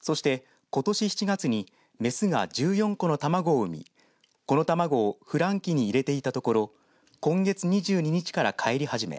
そして、ことし７月に雌が１４個の卵を産みこの卵をふ卵器に入れていたところ今月２２日からかえり始め